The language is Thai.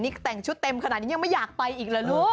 นี่แต่งชุดเต็มขนาดนี้ยังไม่อยากไปอีกเหรอลูก